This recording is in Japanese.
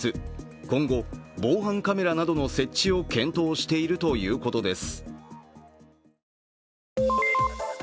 今後、防犯カメラなどの設置を検討しているということです。